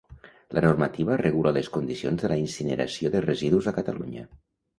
La normativa regula les condicions de la incineració de residus a Catalunya.